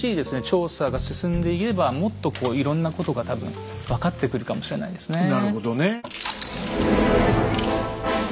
調査が進んでいけばもっとこういろんなことが多分分かってくるかもしれないですね。